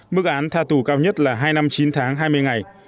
mức án tha tù cao nhất là hai năm chín tháng hai mươi ngày